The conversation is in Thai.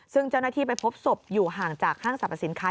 ซึ่งเจ้าหน้าที่ไปพบศพอยู่ห่างจากห้างสรรพสินค้า